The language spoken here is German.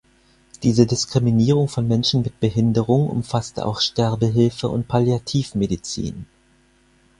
Diese Diskriminierung von Menschen mit Behinderung umfasste auch Sterbehilfe und Palliativmedizin.